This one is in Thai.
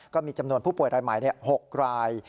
ก็มีจำนวนผู้ป่วยรายใหม่๖ราย